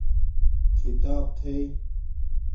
کھیتاپ تھݵ